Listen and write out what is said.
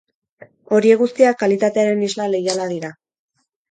Horiek guztiak kalitatearen isla leiala dira.